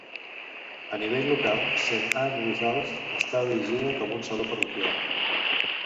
A nivell local, Saint Ann Without està dirigida com un saló parroquial.